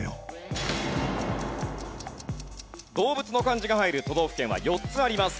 動物の漢字が入る都道府県は４つあります。